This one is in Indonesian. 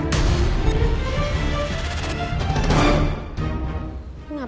kamu berasa kamu berasa